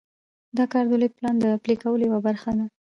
دا کار د لوی پلان د پلي کولو یوه برخه ده.